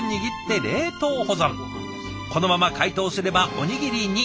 このまま解凍すればおにぎりに。